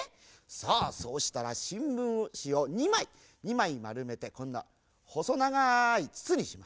さあそうしたらしんぶんしを２まい２まいまるめてこんなほそながいつつにします。